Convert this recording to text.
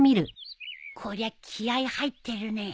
こりゃ気合入ってるね